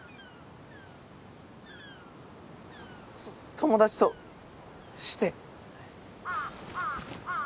友達として。